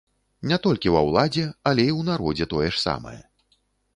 Не толькі ва ўладзе, але і ў народзе тое ж самае.